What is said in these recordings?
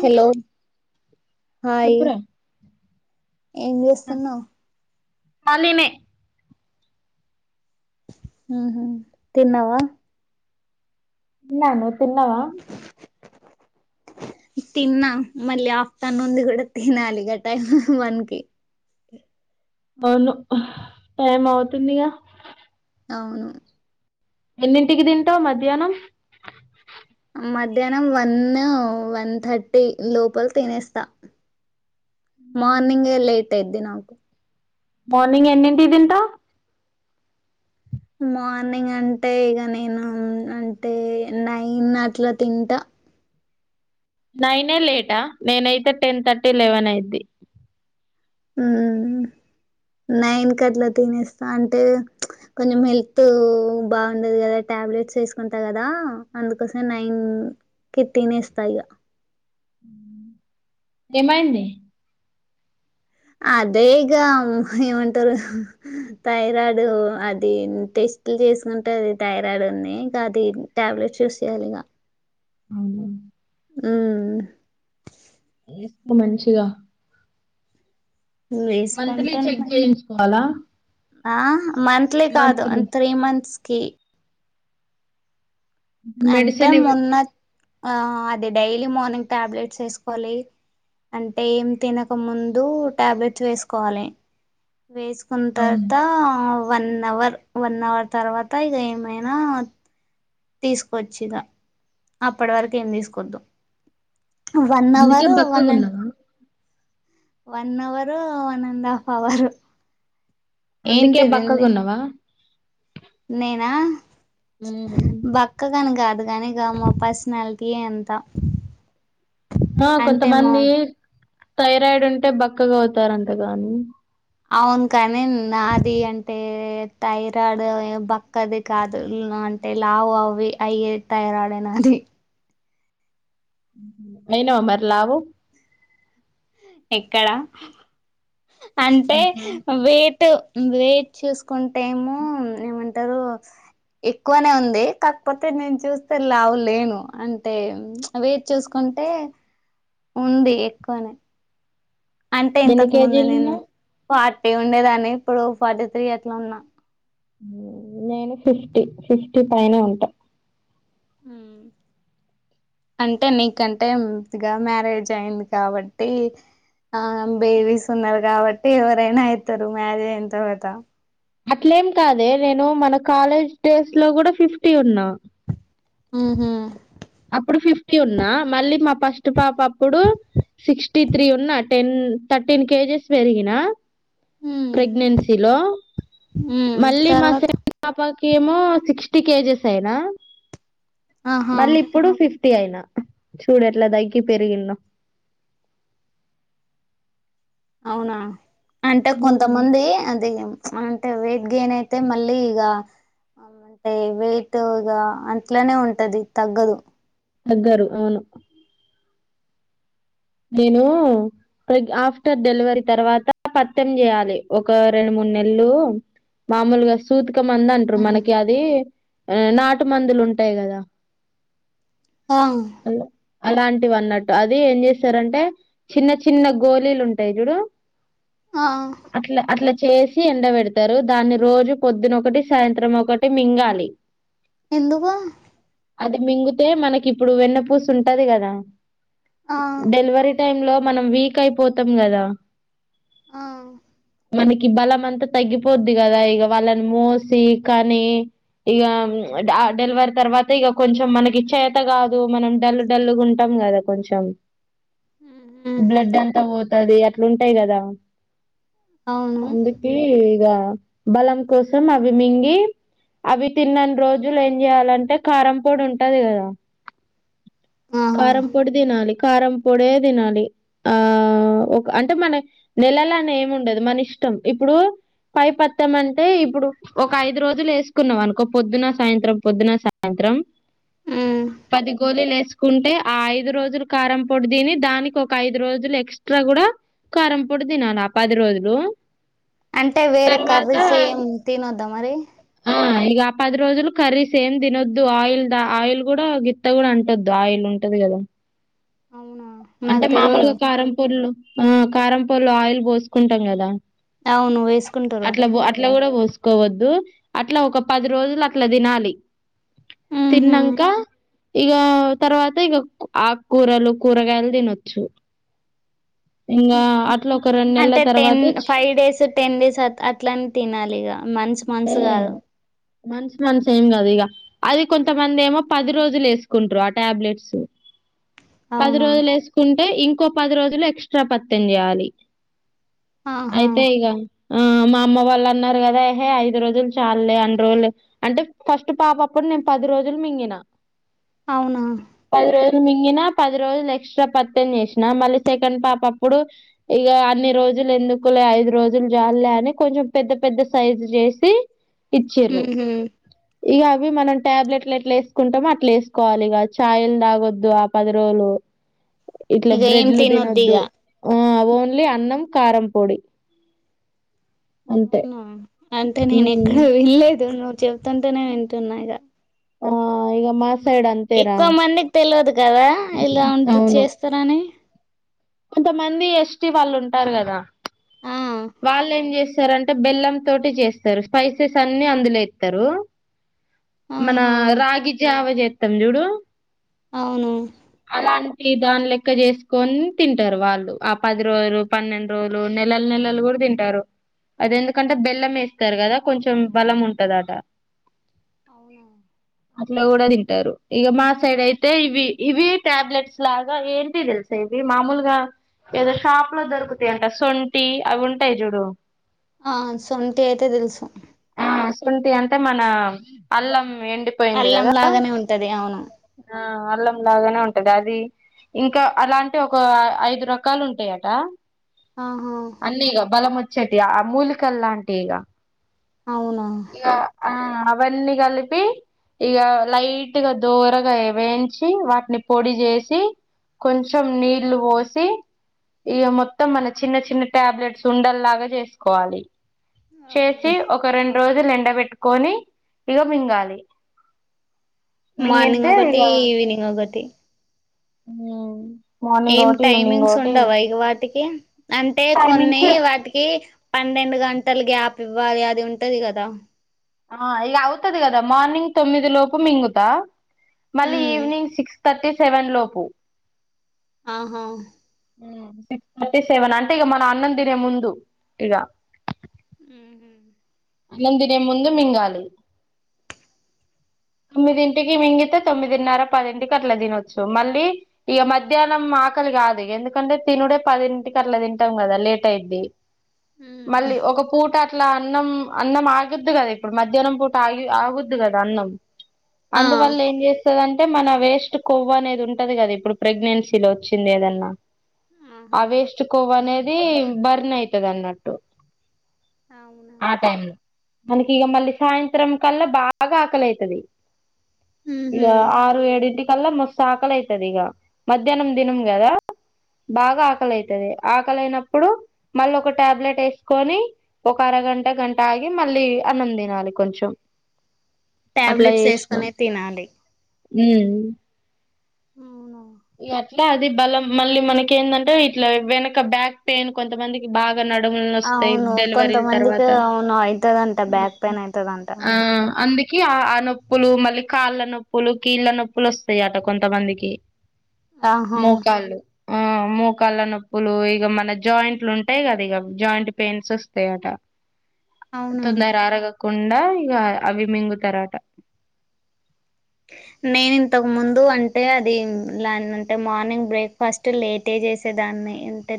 Hello hi చెప్పురా ఏం చేస్తున్నావ్ మలినే ఉహు తిన్నావా తిన్నా నువ్వు తిన్నావా తిన్నా మళ్ళీ ఆఫ్టర్ నుం కూడా తినాలి గ టైమ్ వన్ కి అవును టైం అవుతుందిగా అవును ఎన్నింటికి తింటావ్ మధ్యాహ్నం మధ్యాహ్నం వన్ వన్ థర్టీ లోపల తినేస్తా మార్నింగ్ లేట్ అయిది నాకు మార్నింగ్ ఎన్నింటి తింటావ్ మార్నింగ్ అంటే ఇక నేను అంటే నైన్ అట్లా తింటా నైనే లేటా నేనైతే టెన్ థర్టీ లెవెన్ అయిద్ది ఉ నైన్ కట్లా తినేస్తా అంటే కొంచెం హెల్త్ బాగుండదు కదా టాబ్లెట్ టాబ్లెట్ ఏసుకుంటా కదా అందుకోసం నైన్ కి తినేస్తా ఇగా ఏమైయింది అదేగ ఏమంటారు థైరాయిడు అది ట టెస్ట్ చేసుకుంటే అది థైరాయిడ్ ఉంది ఇక అది టాబ్లెట్ యూస్ చేస్తున్న ఇక అవునా ఉ సు మంచిగా మంత్లీ చెక్ వేసుకుంటున్నా చేయించుకోవాలా ఆ మంత్లీ కాదు అ మంత్లీ త్రీ మంత్స్ కి అంటే మెడిసిన్ ఇవ్ మొన్న ఆ అది డైలీ మార్నింగ్ టాబ్లెట్స్ వేసుకోవాలి అంటే ఏం తినక ముందు టాబ్లెట్స్ వేసుకోవాలి వేసుకున్న అవును తర్వాత వన్ అవర్ వన్ అవర్ తర్వాత ఇక ఏమైనా తీసుకొచ్చి ఇక అప్పటి వరకు ఏం తీసుకోద్దు వన్ అందుకే అవరు వన్ అండ్ బక్కగున్నావా one hour one and half hour అందుకే బక్కగా ఉన్నావా నేనా మ్మ్ బక్క కాని కాదు కాగాని ఇకా మా పర్సనాలిటీ ఎంత ఆ కొంతమంది థైరాయిడ్ ఉంటే బక్కగా అవుతారంట గానీ అవును కానీ నాది అంటే థైరాయిడ్ బక్కది కాదు అంటే లావు అవి అయ్యే థైరాయిడ్ అయినా అదీ అయినావా మరి లావు ఎక్కడ అంటే ఇగ కావు వే వెయిట్ చూసుకుంటే ఏమో ఏమంటారు ఎక్కువనే ఉంది కాకపోతే నేను చూస్తే లావు లేను అంటే వెయిట్ చూసుకుంటే అంటే ఉంది ఎక్కువని అంటే ఎన్ని ఇంతకు ముందు కేజీలు నేను ఉన్నావ్ ఫార్టీ ఉండేదాన్ని ఇప్పుడు ఫార్టీ త్రీ అట్లా ఉన్నా నేను ఫిఫ్టీ ఫిఫ్టీ పైనే ఉంటా హ అంటే నీకంటే ఇదిగా మ్యారేజ్ అయింది కాబట్టి ఆ బేబీస్ ఉన్నారు కాబట్టి ఎవరైనా అవుతారు మ్యారేజ్ అయిన తర్వాత అట్లేం కాదే నేను మన కాలేజ్ డేస్ లో కూడా ఫిఫ్టీ ఉన్నా ఉహు అప్పుడు ఫిఫ్టీ ఉన్నా మళ్ళీ మా ఫస్ట్ పాప అప్పుడు సిక్స్టీ ఫఫ్టీ త్రీ ఉన్నా టెన్ థర్టీన్ కేజెస్ పెరిగిన ఉ ప్రెగ్నెన్సీలో మళ్ళీ తర్వాత సెకండ్ పాప ఏమో సిక్స్టీ కేజెస్ అయినా ఆహా మళ్ళీ ఇప్పుడు ఫిఫ్టీ అయినా చూడు ఎట్లా దగ్గి పెరిగింద అవునా అంటే కొంతమంది అది అంటే వెయిట్ గెన్ అయితే మళ్ళీ ఈగ అంటే వెయిట్ ఇగా అంట్లోనే ఉంటది తగ్గదు తగ్గరు అవును నేను ప్ర ఆఫ్టర్ డెలివరీ తర్వాత పతం చేయాలి ఒక రెండు మూడు నెల్లు మామూలుగా సూతిక మందు అంటారు మనకి అది నాటు మందులు ఉంటాయి కదా ఆ అలా- అలాంటివి అన్నట్టు అది ఏం చేస్తారంటే చిన్న చిన్న గోళీలు ఉంటాయి చూడు ఆ అట్ల అట్ల చేసి ఎండ పెడతారు దాన్ని రోజు పొద్దున ఒకటి సాయంత్రం ఒకటి మింగలి ఎందుకూ అది మింగితే మనకి ఇప్పుడు వెన్నపూసు ఉంటది కదా ఆ డెలివరీ టై లో మనం వీకైపోతం గద ఆ మనకి బలమంత తగ్గిపోద్ది గద ఇగ వాళ్ళన్ మోసి కనీ ఇగ అమ్ అ డెల్వరి తర్వాత ఇగ కొంచం మనకి చేత గాదు మనం డల్లు డల్లుగుంటం గద కొంచం ఉహు, బ్లడ్డంత పోతది అట్లుంటయ్ గద అవును అందికీ ఇగ బలం కోసం అవి మింగి అవి తిన్నన్రోజుల ఏం జెయ్యాలంటె కారంపొడుంటది గద ఆహా కారంపొడి దినాలి కారం పొడే దినాలి ఆ ఒక్ అంటె మన నెలలనేముండదు మనిష్ టం ఇప్పుడూ పైపత్తమంటే ఇప్పుడు ఒక ఐదు రోజులేసుకున్నవనుకో పొద్దున సాయంత్రం పొద్దున సాయ త్రం ఉమ్. పది గోలీలేస్కుంటే ఆ ఐదురోజుల్ కారంపొడ్ దిని దానికొక ఐదు రోజులెక్స్ట్రా గుడా కారంపొడి దినాల పది రోజలు అంటె వేరే కర్రీస్ ఏం తినొద్ద మరి ఆ ఇగ ఆ పది రోజులు కర్రీస్సేమ్ దినొద్దు ఆయిల్ ద ఆయిల్ గుడా గిత్త గూడాంటొద్దు ఆయిల్ ఉంటది గద ఔన్ అంటె మామూల్గ కారంపొల్లొ ఆ కారంపొల్లొ ఆయిల్ పోస్కుంటం గద అవును వేసుకుంటారు అట్ల బొ అట్ల గుడా బోస్కోవద్దు అట్ల ఒక పది రోజులట్ల దినాలి ఉహు. తిన్నంక ఇగా తర్వాతిగ కు ఆక్కూరలు కూరగాయల్ దినొచ్చు ఇంగా అట్లొక అంటె ten five days ten days అ అట్లన్ తినాలిగ మంత్స్ మంత్స్ [unintelligible] మంత్స్ మంత్సేం గాదిగ అది కొంతమందేమొ పది రోజులేస్కుంట్రు ఆ టాబ్లెట్స్ పది అవునా రోజులేస్కుంటె ఇంకో పదిరోజులు ఎక్స్ట్రా పత్తెం జెయ్యాలి ఆహా ఐతే ఇగ ఆ మా అమ్మ వాళ్ళన్నార్ గదా హె ఐద్రోజ్ జుల్ చాల్లే అన్ రోజ్లె అంటె ఫస్ట్ పాపప్పుడ్ నేన్ పది రోజుల్ మింగిన ఔనా మింగినా పదిరోజులెక్స్ట్రా పత్తెం జేస్నా మళ్ళి సెకండ్ పాపప్పుడు ఇగ అన్ని రోజ్ రోజులెందుకులె ఐదు రోజుల్ జాల్లె అని కొంచెం పెద్ద పెద్ద సైజ్ జేసి ఇచ్చిర్రు ఉహు. ఇగ అవ్వి మనం ట్యాబ్లెట్లెట్లేస్కుంటమొ అట్లేస్కోవాలిగ చాయల్ దాగొద్దు ఆ పది రోజులు ఇట్ల ఇక ఏం బ్రెడ్లు తినొద్దు దినొద్దు ఇక ఊ ఓన్లీ అన్నం కారంపొడి ఔనా అంటె ఉమ్ నేనెక్కడా విళ్ళేదు నువ్ చెప్తాంటేనే వింటున్న ఇగ ఆ ఇగ మస్ ఎక్కువ మందిక్ తెల్వద్ కదా ఇలా ఉంటు అవును చేస్తరని కొంతమంది ఎస్టీ వాళ్ళుంటార్ గద ఆ సరంటె బెల్లం తోటి జేస్తరు స్పైసెస్సన్నీ అందులొ ఏత్తరు మనా ఆహా రాగిజావ జేత్తంజుడు ఔను ఈ దాన్లెక్క జేస్కోన్ తింటర్ వాళ్ళు ఆ పది రోజులు పన్నెండు రోజులు నెలల్ నెలల్ కూడా తింటారు అది ఎందుకంటే బెల్లం వేస్తారు కదా కొంచెం బలం ఉంటదాట. అట్లా కూడా తిన్. అంటారు ఇక మా సైడ్ అయితే ఇవి ఇవి టాబ్లెట్స్ లాగా ఏంటివి తెలుసా ఇవి మామూలుగా. ఏదో షాప్ లో దొరుకుతాయంట సొంటి అవి ఉంటాయి చూడు. ఆహ్ సొంటి అయితే తెలుసు. శొంఠి అంటే మన అల్లం ఎండిపోయింది అల్లం కదా. లాగానే ఉంటది అవును ఆహ్ అల్లం లాగానే ఉంటది అది. ఇంకా అలాంటివి ఒక ఐదు రకాలు ఉంటాయట. ఆహా అన్నీ ఇగ బలం వచ్చేటివి ఆ మూలికల్ లాంటివి ఇగ. అవునా ఇగ ఆహ్ అవన్నీ కలిపి. ఇక లైట్గా దోరగా వేయించి వాటిని పొడి చేసి. కొంచెం నీళ్ళు పోసి. ఇక మొత్తం మన చిన్న చిన్న టాబ్లెట్స్ ఉండల్లాగా చేసుకోవాలి. చేసి ఒక రెండు. రోజులు ఎండబెట్టుకొని ఇగ మింగలి. మార్నింగ్ ఒకటి ఈవినింగ్ ఒకటి. ఉమ్. ఏం టైమింగ్స్ ఉండవా ఇక వాటికి అంటే కొన్ని టైమింగ్స్ వాటికి. పన్నెండు గంటలు గ్యాప్ ఇవ్వాలి అది ఉంటది కదా. ఆహ్ ఇక అవుతది కదా మార్నింగ్ తొమ్మిది లోపు మింగుతా మళ్ళీ ఉమ్ ఈవినింగ్ సిక్స్. థర్టీ సెవెన్ లోపు. ఆహ్. సిక్స్ థర్టీ సెవెన్ అంటే ఇక మనం అన్నం తినే ముందు ఇక. ఉహూ. అన్నం తినే ముందు మింగాలి. తొమ్మిదింటికి మింగితే తొమ్మిదిన్నర పదింటికి అట్లా తినొచ్చు మళ్ళీ ఇక మధ్యాహ్నం. ఆకలి కాదు ఎందుకంటే తినుడే పదింటికి అట్లా తింటాం కదా లేట్ అయిద్ది. మళ్ళీ ఒక పూట అట్లా అన్నం. అన్నం ఆగుద్ది కదా ఇప్పుడు మధ్యాహ్నం పూట ఆగి ఆగుద్ది కదా అన్నం. ఆ అందువల్ల ఏం చేస్తందంటే. అయితే మన వేస్ట్ కొవ్వు అనేది ఉంటది కదా ఇప్పుడు ప్రెగ్నెన్సీలో వచ్చింది ఏదన్నా. ఆ ఆహా వేస్ట్ కొవ్వు అనేది బర్న్ అయితది అన్నట్టు. అవునా. మనకి ఇక మళ్ళీ సాయంత్రం కల్లా బాగా ఆకలైతది. ఇక ఉహు ఆరు ఏడుంటికి. కల్లా మస్తు ఆకలి అయితది ఇగ మధ్యాహ్నం తిన్నం గదా. బాగా ఆకలైతది ఆకలైనప్పుడు మళ్ళీ ఒక టాబ్లెట్ వేసుకొని ఒక అర. గంట గంట ఆగి మళ్ళీ అన్నం తినాలి కొంచెం. అట్లా టాబ్లెట్స్ చేసినాం వేసుకొనే తినాలి. ఉమ్. అవునవును. ఇగ అట్లా అది బలం మళ్ళీ మనకి ఏందంటే ఇట్లా వెనక బ్యాక్ పెయిన్ కొంతమందికి బాగా. నడుములునొస్తాయి అవును డెలివరీలు కొంతమందికి తర్వాత అవును అయితదంట బ్యాక్ పెయిన్ అయితదంట ఆహ్ అందుకే. ఆహ్ నొప్పులు మళ్ళీ కాళ్ళ నొప్పులు కీళ్ళ నొప్పులు వస్తాయి అట కొంతమందికి. ఆహా మోకళ్ళు మూకాళ్ళ నొప్పులు ఇక మన జాయింట్లు ఉంటాయి కదా ఇక జాయింట్ పెయిన్స్ వస్తాయట అవునా తొందర ఆరగ కుండా ఇగ అవిమింగుతరట నేను ఇంతకు ముందు అంటే అది ఎలంటే మార్నింగ్ బ్రేక్ఫాస్ట్ లేట్ చేసేదాన్ని అంటే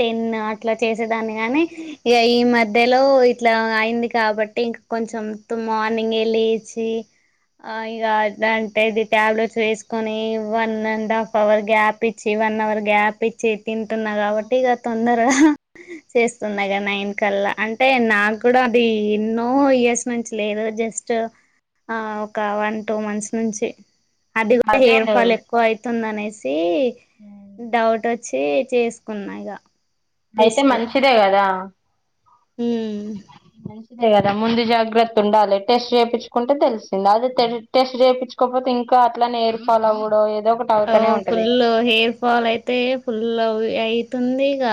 టెన్ అట్లా చేసేదాన్ని గాని ఇక ఈ మధ్యలో ఇట్లా అయింది కాబట్టి ఇంక కొంచెం ఇప్పుడు మార్నింగే లేచి ఆ ఇగ అంటే ఇది ట్యాబ్లెట్స్ వేసుకొని one and half hour gap ఇచ్చి వన్ అవర్ గ్యాప్ ఇచ్చి తింటున్నా కాబట్టి ఇక తొందరగా చేస్తునగా నైన్కల్లా అంటే నాకు కూడా అది ఎన్నో ఇయర్స్ నుంచి లేదు జస్ట్ ఆ ఒక వన్ టూ మంత్స్ నుంచి అది కూడా హెయిర్ అదేలే ఫాల్ ఎక్కువ అయ్తుంది అనేసి డౌట్ వచ్చి వచ్చి చేసుకున్నా ఇగ అయితే టెస్ట్ మంచిదే కదా ఉమ్ మం దే కదా ముందు జాగ్రత్త ఉండాలి టెస్ట్ చేపించుకుంటే తెలిసింది అదే టెస్ట్ చేపించుకోపోతే ఇంకా కా అట్లానే హెయిర్ఫాల్ అవ్వడం ఓ ఫుల్ హెయిర్ ఫాల్ అయితే ఫుల్ ఐతుందిగా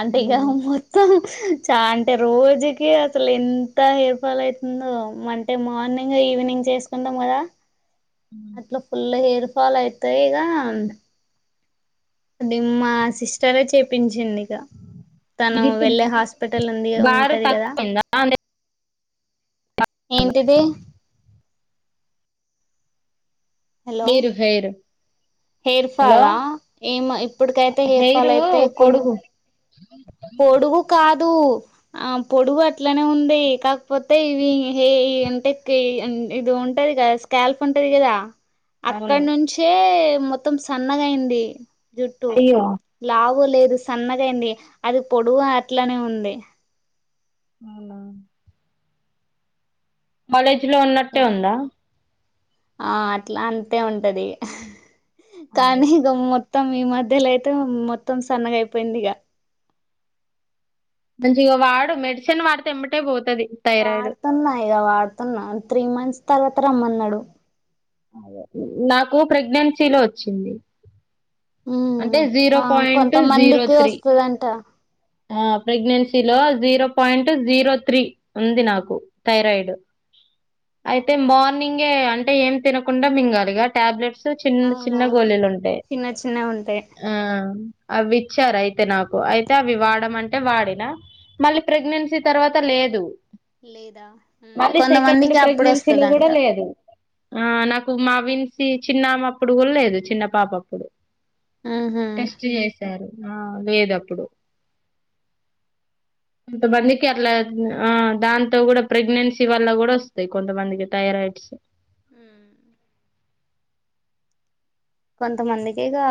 అంటే ఇక మ్మ్. మొత్తం చా అంటే రోజుకి అసలు ఎంత హెయిర్ ఫాల్ అవుతుందో అంటే మార్నింగ్ అయి ఈవినింగ్స్ వేస్కుంటాం కదా అట్ల ఫుల్గ హెయిర్ ఫాల్ ఐతే ఈగ డిమా సిస్టరే చేపించింది తను జిట్టు వెళ్ళే హాస్పిటల్ ఉంది బారు ఉంటది కదా తక్కువయిందా ఏంటిది హలో హైరు హైరు హెయిర్ ఫాల్లా ఏం ఇప్పుటికైతే హెయిర్ హెయిరు ఫాల్ అయితే కొ పొడుగు దు ఆ పొడువు అట్లనే ఉంది కాకపోతే ఇవి ఏ అంటే ఇది ఉంటా కదా స్కేల్ప్ ఉంటది కదా అక్కడ అవును నుంచే మొత్తం సన్నగాయింది జుట్టు అయ్యో లావు వు లేదు సన్నగాైంది అది పొడువు అట్లనే ఉంది అవునా కాలేజీలో ఉన్నట్టే ఉందా ఆ అట్లా అంతే ఉంటది అదే కానీ ఇ మొత్తం ఈ మధ్యలో అయితే మొత్తం సన్నగాయిపోయింది ఇగ మంచిగా వాడు మెడిసిన్ వాడితే ఎమ్మటే పోతది థైరాయిడ్ ఏదో వాడుతున్నా త్రీ మంత్స్ తర్వాత రమ్మన్నాడు నాకు ప్రెగ్నెన్సీలో వచ్చింది ఉమ్ అంటే జీరో ఆ పాయింట్ జీరో కొంతమందికి త్రీ వస్తదంట ఆ ప్రెగ్నెన్సీలో జీరో పాయింట్ జీరో త్రీ ఉంది నాకు థైరాయిడ్ అయితే అవునా మార్నింగే అంటే ఏం తినకుండా మింగలిగా టాబ్లెట్స్ చిన్న చిన్న అవునవును గోళీలుంటాయి చిన్న చిన్నవి ఉంటాయి ఆ అవి ఇచ్చారు అయితే నాకు అయితే అవి వాడమంటే వాడినా మళ్ళీ ప్రెగ్నెన్సీ తర్వాత లేదు లేదా ఉమ్, మల్లి సెకండ్ కొంతమందికి అప్పుడు ప్రెగ్నెన్సీలో కూడా వస్తదంట లేదు ఆ నాకు మావిన్ సి చిన్నమ్మప్పుడు కూడా లేదు చిన్న పాపప్పుడు ఉహు టెస్ట్ చేసారు ఆ లేదు అప్పుడు కొంతమందికి అట్లా ఆ దాంతో కూడా ప్రెగ్నెన్సీ వల్ల కూడా వస్తాయి కొంతమందికి థైరాయిడ్స్ అ కొంతమందికి ఇక